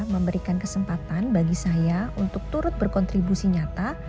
memberikan kesempatan bagi saya untuk turut berkontribusi nyata